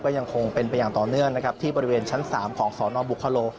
ยังคงเป็นไปอย่างต่อเนื่องนะครับที่บริเวณชั้น๓ของสนบุคโล